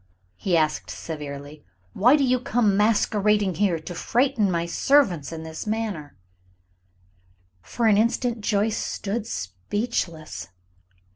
he asked, severely. "Why do you come masquerading here to frighten my servants in this manner?" For an instant Joyce stood speechless.